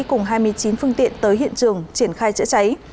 cùng hai mươi chín phương tiện tới hiện trường triển khai chữa cháy